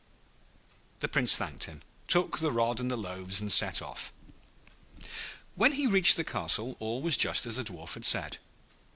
The Prince thanked him, took the rod and the loaves, and set off. When he reached the castle all was just as the Dwarf had said.